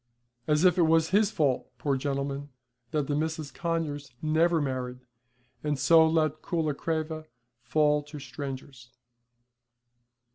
As if it was his fault, poor gentleman, that the Misses Conyers never married, and so let Coolacreva fall to strangers.